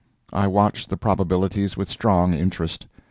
I watched the probabilities with strong interest.